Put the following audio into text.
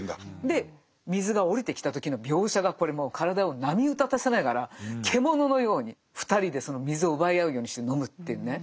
で水が下りてきた時の描写がこれもう体を波打たたせながら獣のように２人でその水を奪い合うようにして飲むっていうね。